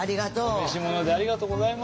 お召し物でありがとうございます。